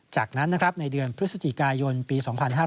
จากนั้นในเดือนพฤศจิกายนปี๒๕๕๙